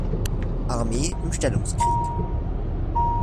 Armee im Stellungskrieg.